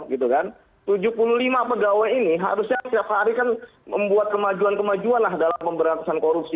tujuh puluh lima pegawai ini harusnya setiap hari kan membuat kemajuan kemajuan lah dalam pemberantasan korupsi